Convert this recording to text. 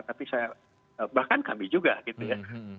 tapi saya bahkan kami juga gitu ya